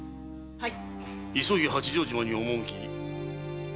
はい。